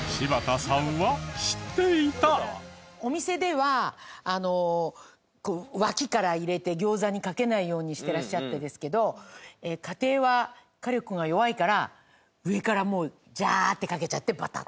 お店では脇から入れて餃子にかけないようにしてらっしゃってるんですけど家庭は火力が弱いから上からもうジャーッてかけちゃってバタッ。